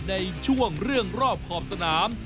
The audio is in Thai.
ในช่วงเรื่องรอบขอบสนาม